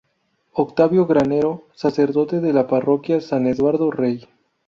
Octavio Granero: sacerdote de la Parroquia San Eduardo Rey.